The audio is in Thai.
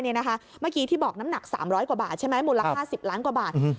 เมื่อกี้ที่บอกน้ำหนัก๓๐๐กว่าบาทใช่ไหมมูลค่า๑๐ล้านกว่าบาท